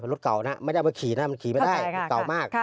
รถเก่านะไม่ได้เอามาขี่นะมันขี่ไม่ได้รถเก่ามาก